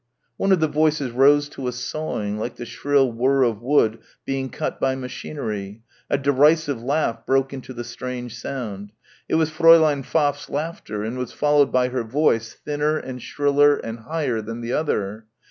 One of the voices rose to a sawing like the shrill whir of wood being cut by machinery.... A derisive laugh broke into the strange sound. It was Fräulein Pfaff's laughter and was followed by her voice thinner and shriller and higher than the other.